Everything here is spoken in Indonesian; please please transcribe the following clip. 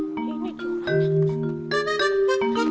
kenapa ini pak